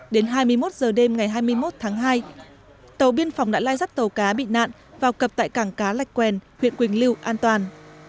đến hai mươi một h đêm ngày hai mươi một tháng hai tàu biên phòng đã lai dắt tàu cá bị nạn vào cập tại cảng cá lạch quèn huyện quỳnh lưu an toàn